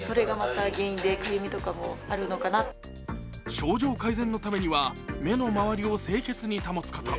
症状改善のためには目の周りを清潔に保つこと。